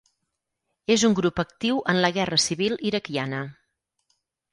És un grup actiu en la Guerra Civil iraquiana.